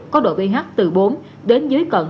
có độ ph từ bốn đến dưới cận